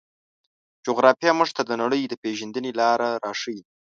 جغرافیه موږ ته د نړۍ د پېژندنې لاره راښيي.